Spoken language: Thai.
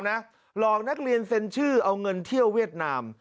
หลอกนักเรียนเซ็นชื่อเอาเงินเที่ยวเวียดนาม